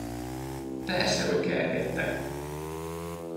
Persze, hogy kergettek!